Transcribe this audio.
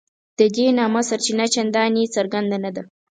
د دې نامه سرچینه چنداني څرګنده نه ده.